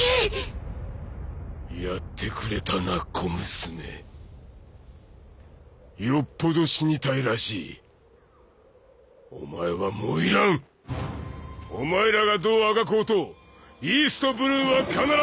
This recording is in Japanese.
やってくれたな小娘よっぽど死にたいらしいお前はもう要らんお前らがどうあがこうとイーストブルーは必ずぶっつぶす！